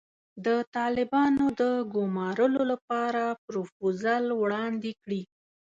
د طالبانو د ګومارلو لپاره پروفوزل وړاندې کړي.